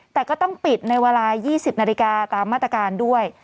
แต่ก็ต้องปิดในเวลา๒๐นาฬิกาตามมาตรการด้วย